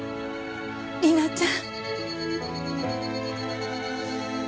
理奈ちゃん。